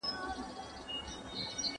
¬ خداى ته مرض کم نه دئ، مريض ته بانه.